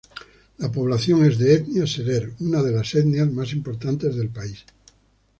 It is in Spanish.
La población es de etnia serer, una de las etnias más importantes del país.